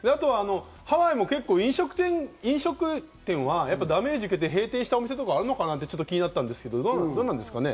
ハワイも結構、飲食店はダメージ受けて閉店したお店があるのかな？って気になったんですけど、どうですかね。